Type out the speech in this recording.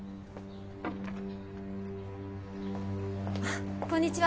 あっこんにちは。